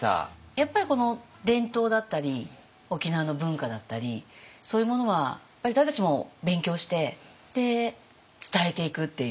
やっぱりこの伝統だったり沖縄の文化だったりそういうものは私たちも勉強して伝えていくっていう。